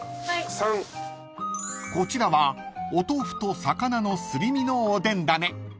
［こちらはお豆腐と魚のすり身のおでん種］